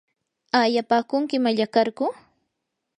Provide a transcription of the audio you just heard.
¿aayapaakunki mallaqarku?